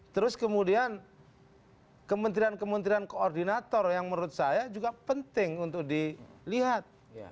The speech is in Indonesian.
terus kemudian kementerian kementerian koordinator yang menurut saya juga penting untuk dilihat